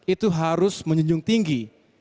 itu harus menunjung tinggi